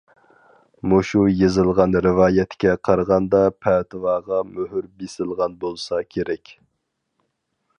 مۇشۇ يېزىلغان رىۋايەتكە قارىغاندا پەتىۋاغا مۆھۈر بېسىلغان بولسا كېرەك.